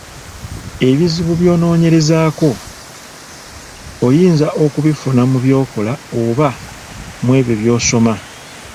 Ebizibu by’okunoonyerezaako oyinza okubifuna mu by'okola oba mu ebyo by'osoma.